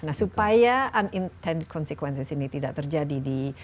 nah supaya unintended consequences ini tidak terjadi di